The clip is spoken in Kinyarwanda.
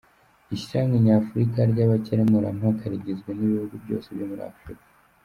Ishyirahamwe Nyafurika ry’Abakemurampaka rigizwe n’ibihugu byose byo muri Afurika.